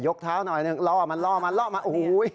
เท้าหน่อยหนึ่งล่อมันล่อมันล่อมาโอ้โห